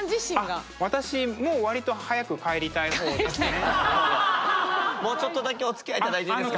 あっ私も割ともうちょっとだけおつきあい頂いていいですか？